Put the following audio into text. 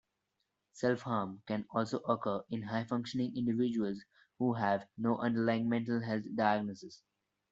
Self-harm can also occur in high-functioning individuals who have no underlying mental health diagnosis.